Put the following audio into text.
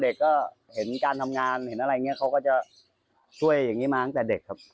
เด็กก็เห็นการทำงานเห็นอะไรอย่างนี้เขาก็จะช่วยอย่างนี้มาตั้งแต่เด็กครับ